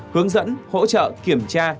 hướng dẫn hỗ trợ kiểm tra